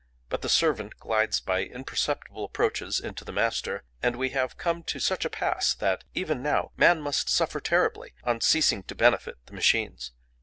But the servant glides by imperceptible approaches into the master; and we have come to such a pass that, even now, man must suffer terribly on ceasing to benefit the machines.